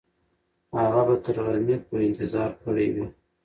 هغه به تر غرمې پورې انتظار کړی وي.